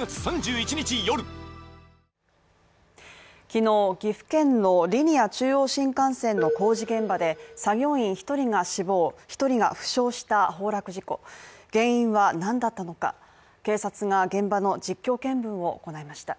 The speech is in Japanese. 昨日岐阜県のリニア中央新幹線の工事現場で作業員１人が死亡、１人が負傷した崩落事故原因は何だったのか、警察が現場の実況見分を行いました。